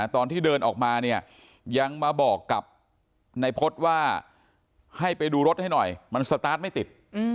ตอนที่เดินออกมาเนี่ยยังมาบอกกับนายพฤษว่าให้ไปดูรถให้หน่อยมันสตาร์ทไม่ติด